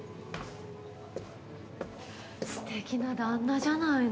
素敵な旦那じゃないの！